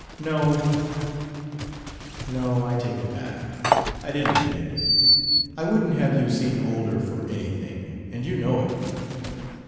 No, no; I take it back; I didn't mean it. I wouldn't have you seem older for anything, and you know it.